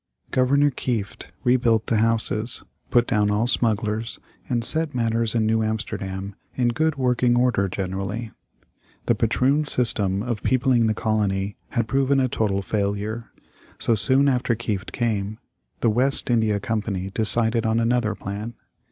Governor Kieft rebuilt the houses, put down all smugglers, and set matters in New Amsterdam in good working order generally. The patroon system of peopling the colony had proven a total failure. So, soon after Kieft came, the West India Company decided on another plan.